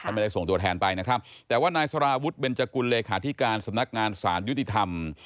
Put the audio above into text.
ไม่ได้ส่งตัวแทนไปนะครับแต่ว่านายสารวุฒิเบนจกุลเลขาธิการสำนักงานสารยุติธรรม